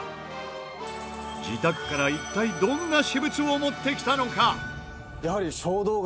自宅から一体どんな私物を持ってきたのか？